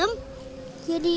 yang satu itu